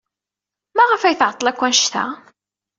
Maɣef ay tɛeḍḍel akk anect-a?